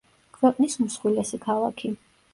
ქვეყნის უმსხვილესი ქალაქი.